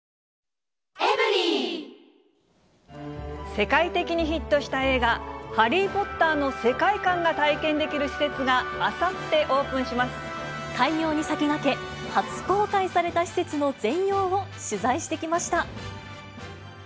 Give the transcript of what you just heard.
世界的にヒットした映画、ハリー・ポッターの世界観が体験できる施設が、開業に先駆け、初公開された施設の全容を取材してきました。